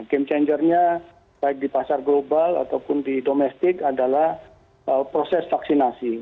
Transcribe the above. game changernya baik di pasar global ataupun di domestik adalah proses vaksinasi